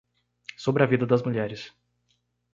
sobre a vida das mulheres